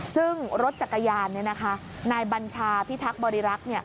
ซึ่งรถจักรยานนายบัญชาพิทักษ์บริรักษ์